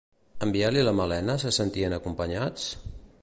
En Biel i la Malena se sentien acompanyats?